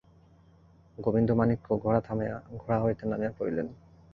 গোবিন্দমাণিক্য ঘোড়া থামাইয়া ঘোড়া হইতে নামিয়া পড়িলেন।